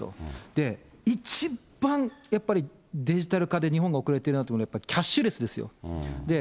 で、一番やっぱりデジタル化で日本が遅れているなと思うのは、キャッシュレスですよ。